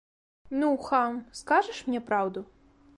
Ну, хам, скажаш мне праўду?